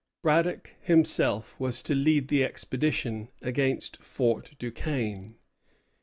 Braddock himself was to lead the expedition against Fort Duquesne.